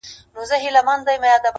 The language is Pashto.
خپل عادتونه خپل راتلونکی جوړوي’